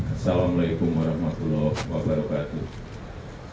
assalamu'alaikum warahmatullahi wabarakatuh